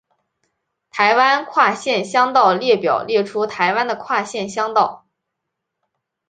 台湾跨县乡道列表列出台湾的跨县乡道。